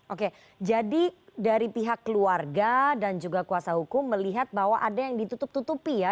oke jadi dari pihak keluarga dan juga kuasa hukum melihat bahwa ada yang ditutup tutupi ya